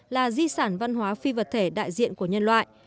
là di sản văn hóa phi vật thể đại diện của nhân loại